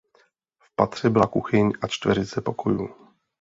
V patře byla kuchyň a čtveřice pokojů.